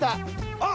あっ！